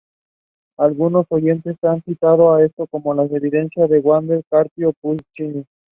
Edith established the "Edith Ellis Charitable Trust" for general charitable purposes.